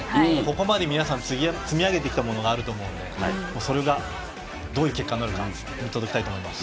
ここまで皆さん積み上げてきたものがあると思うのでそれがどういう結果になるか見届けたいと思います。